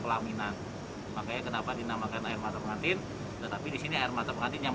pelaminan makanya kenapa dinamakan air mata pengantin tetapi di sini air mata pengantin yang